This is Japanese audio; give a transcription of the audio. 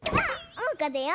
おうかだよ。